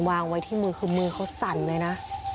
วางไว้ที่มือคือมือเขาสั่นเลยนะ